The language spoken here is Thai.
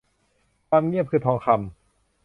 ความเงียบคือทองคำ